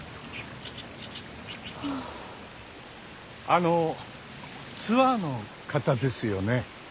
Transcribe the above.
あのツアーの方ですよね？